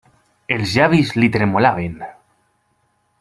Els llavis li tremolaven.